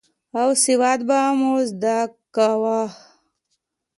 او سواد به مو زده کاوه.